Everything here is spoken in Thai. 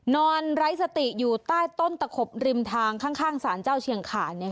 ไร้สติอยู่ใต้ต้นตะขบริมทางข้างสารเจ้าเชียงขา